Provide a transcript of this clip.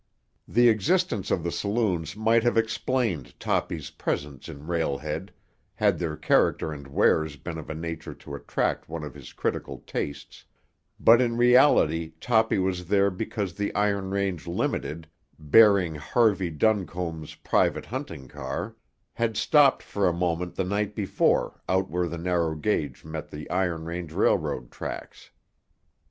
The existence of the saloons might have explained Toppy's presence in Rail Head had their character and wares been of a nature to attract one of his critical tastes; but in reality Toppy was there because the Iron Range Limited, bearing Harvey Duncombe's private hunting car, had stopped for a moment the night before out where the narrow gauge met the Iron Range Railroad tracks.